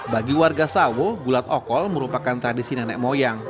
bagi warga sawo bulat okol merupakan tradisi nenek moyang